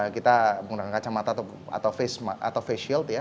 kita menggunakan kacamata atau face shield ya